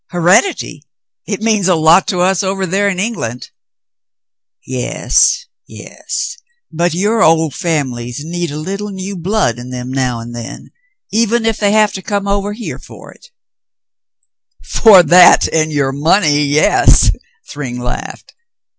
"Heredity? It means a lot to us over there in Eng land." "Yes, ves. But vour old families need a little new blood in them now and then, even if they have to come over here for it." 131 132 The Mountain Girl *'For that and — your money — yes." Thryng laughed.